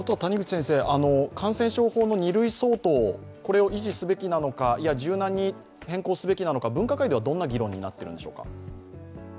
感染症法の二類相当を維持すべきなのか、あるいは柔軟に変更すべきなのか、分科会ではどんな議論になっているのでしょうか？